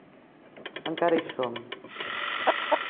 Encara hi som.